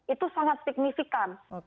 itu sangat signifikan